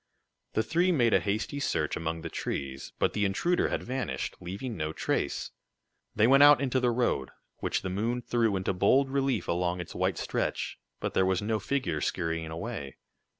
The three made a hasty search among the trees, but the intruder had vanished, leaving no trace. They went out into the road, which the moon threw into bold relief along its white stretch, but there was no figure scurrying away.